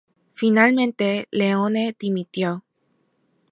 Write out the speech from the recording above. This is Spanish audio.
Finalmente, Leone dimitió.